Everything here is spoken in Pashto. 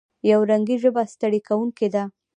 یو رنګي ژبه ستړې کوونکې ده.